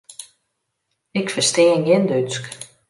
Ik ferstean gjin Dútsk.